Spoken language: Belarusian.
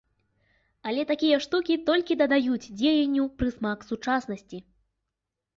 Але такія штукі толькі дадаюць дзеянню прысмак сучаснасці.